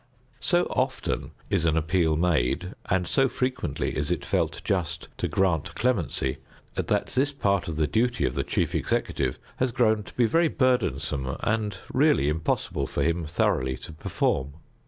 So often is an appeal made and so frequently is it felt just to grant clemency, that this part of the duty of the chief executive has grown to be very burdensome and really impossible for him thoroughly to perform.